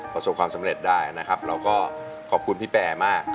ประสบความสำเร็จได้นะครับเราก็ขอบคุณพี่แปรมาก